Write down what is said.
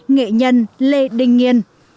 nghệ nhân lê đinh nghiên